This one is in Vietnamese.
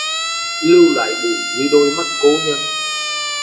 Lại ưu buồn như đôi mắt cố nhân